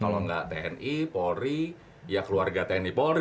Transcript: kalau nggak tni polri ya keluarga tni polri